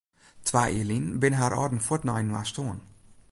Twa jier lyn binne har âlden fuort nei inoar stoarn.